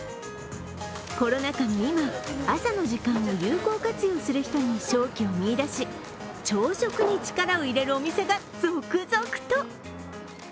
コロナ禍の今、朝の時間を有効活用する人に商機を見いだし朝食に力を入れるお店が続々と。